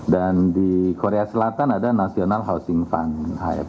dan di korea selatan ada national housing fund